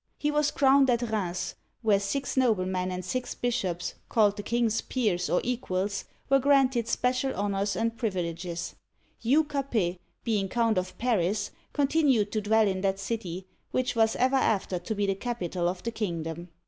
He was crowned at Rheims, where six noblemen and six bishops, called the king's peers or equals, were granted special honors and privileges. Hugh Capet, being Count of Paris, continued to dwell in that city, which was ever after to be the capital of the kingdom.